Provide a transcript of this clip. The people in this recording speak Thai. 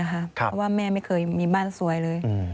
เพราะว่าแม่ไม่เคยมีบ้านสวยเลย